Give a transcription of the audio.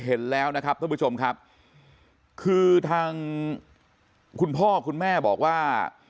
เห็นแล้วนะครับท่านผู้ชมครับคือทางคุณพ่อคุณแม่บอกว่า